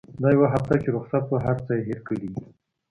دا يوه هفته چې رخصت وه هرڅه يې هېر کړي دي.